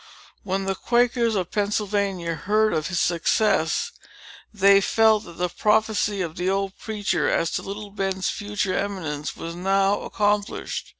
When the Quakers of Pennsylvania heard of his success, they felt that the prophecy of the old preacher, as to little Ben's future eminence, was now accomplished.